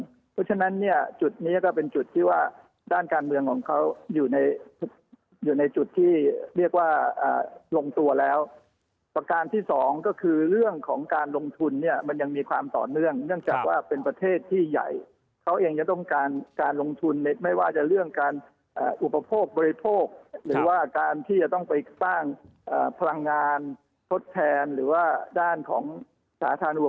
เพราะฉะนั้นเนี่ยจุดนี้ก็เป็นจุดที่ว่าด้านการเมืองของเขาอยู่ในอยู่ในจุดที่เรียกว่าลงตัวแล้วประการที่สองก็คือเรื่องของการลงทุนเนี่ยมันยังมีความต่อเนื่องเนื่องจากว่าเป็นประเทศที่ใหญ่เขาเองจะต้องการการลงทุนไม่ว่าจะเรื่องการอุปโภคบริโภคหรือว่าการที่จะต้องไปสร้างพลังงานทดแทนหรือว่าด้านของสาธารณสุข